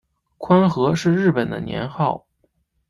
宽和是日本的年号。